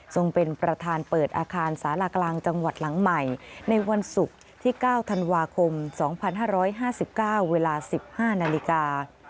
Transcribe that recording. เป็นประธานเปิดอาคารสารากลางจังหวัดหลังใหม่ในวันศุกร์ที่๙ธันวาคม๒๕๕๙เวลา๑๕นาฬิกา